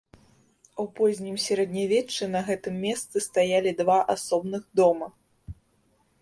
У познім сярэднявеччы на гэтым месцы стаялі два асобных дома.